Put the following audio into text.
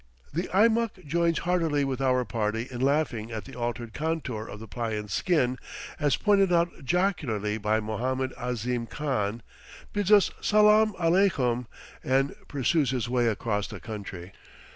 The Eimuck joins heartily with our party in laughing at the altered contour of the pliant skin, as pointed out jocularly by Mohammed Ahzim Khan, bids us "salaam aleykum," and pursues his way across country.